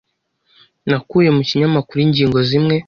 Nakuye mu kinyamakuru ingingo zimwe.